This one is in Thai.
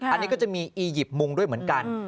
อันนี้ก็จะมีอียิปต์มุงด้วยเหมือนกัน